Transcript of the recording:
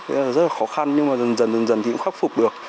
nghĩa là rất là khó khăn nhưng mà dần dần thì cũng khắc phục được